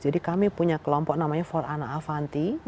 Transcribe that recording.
jadi kami punya kelompok namanya for anna avanti